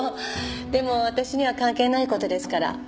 でも私には関係ない事ですから。